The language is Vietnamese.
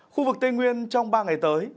khu vực tây nguyên trong ba ngày tới